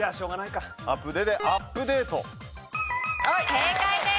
正解です。